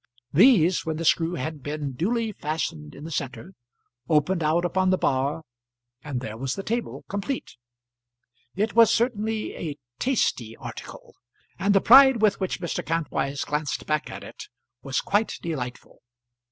These, when the screw had been duly fastened in the centre, opened out upon the bar, and there was the table complete. It was certainly a "tasty" article, and the pride with which Mr. Kantwise glanced back at it was quite delightful.